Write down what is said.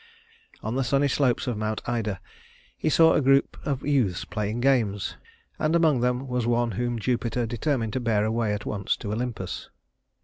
On the sunny slopes of Mount Ida he saw a group of youths playing games, and among them was one whom Jupiter determined to bear away at once to Olympus.